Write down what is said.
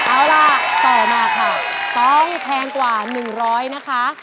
เอาล่ะต่อมาค่ะต้องแพงกว่า๑๐๐นะคะ